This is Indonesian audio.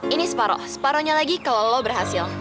ini separoh separohnya lagi kalau lo berhasil